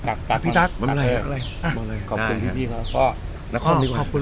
ตั๊กพี่ตั๊กบอกเลยบอกเลยขอบคุณพี่พี่พ่อพ่อขอบคุณ